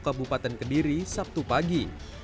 kabupaten kediri sabtu pagi